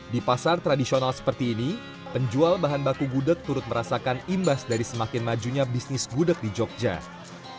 di pasar tradisional seperti ini penjual bahan baku gudeg turut merasakan imbas dari semakin majunya bisnis gudeg di jogja